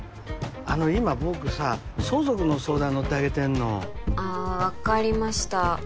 あの今僕さ相続の相談乗ってあげてんのあー分かりました